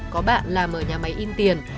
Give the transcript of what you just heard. có bạn làm ở nhà máy in tiền